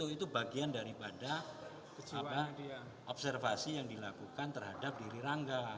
itu bagian daripada observasi yang dilakukan terhadap diri rangga